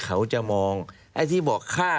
เขาจะมองไอ้ที่บอกฆ่า